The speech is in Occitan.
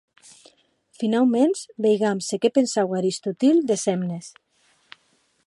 Finauments, veigam se qué pensaue Aristotil des hemnes.